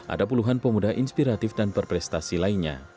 ada puluhan pemuda inspiratif dan berprestasi lainnya